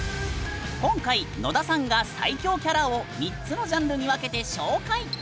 今回野田さんが最恐キャラを３つのジャンルに分けて紹介！